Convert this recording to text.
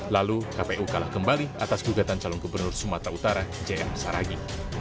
lalu kpu kalah kembali atas gugatan calon gubernur sumatera utara jn saragi